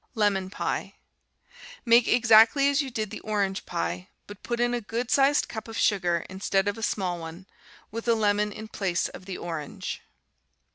Lemon Pie Make exactly as you did the orange pie, but put in a good sized cup of sugar instead of a small one, with a lemon in place of the orange.